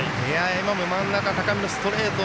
真ん中高めのストレート